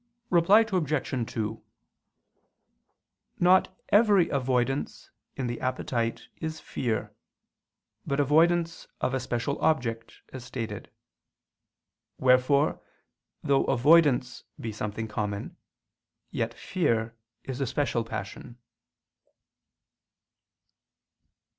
Reply Obj. 2: Not every avoidance in the appetite is fear, but avoidance of a special object, as stated. Wherefore, though avoidance be something common, yet fear is a special passion.